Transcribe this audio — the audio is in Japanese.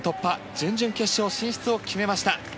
準々決勝進出を決めました。